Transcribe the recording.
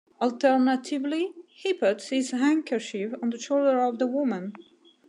Alternatively, he puts his handkerchief on the shoulder of the woman.